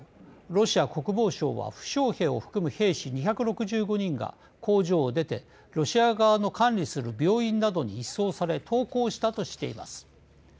ロシア国防省は負傷兵を含む兵士２６５人が工場を出てロシア側の管理する病院などに移送され投降したとしています。